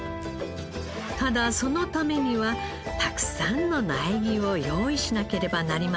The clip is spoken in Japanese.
ただそのためにはたくさんの苗木を用意しなければなりません。